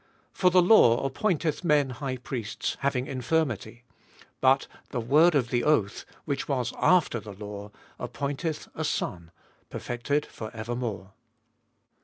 28. For the law appointeth men high priests, having infirmity ; but the word of the oath, which was after the law, appointeth a Son, perfected for evermore.